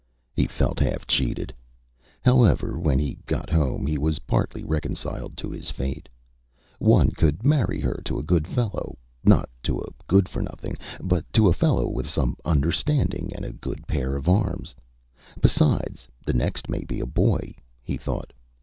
He felt half cheated. However, when he got home he was partly reconciled to his fate. One could marry her to a good fellow not to a good for nothing, but to a fellow with some understanding and a good pair of arms. Besides, the next may be a boy, he thought.